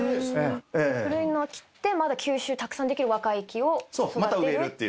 古いのを切ってまだ吸収たくさんできる若い木を育てるっていう。